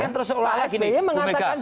kan terus soalnya ibu mega